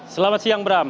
selamat siang bram